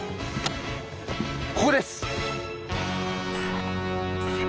ここです！